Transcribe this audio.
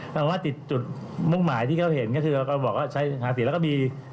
ผมว่าจิตจุดมุ่งหมายที่เขาเห็น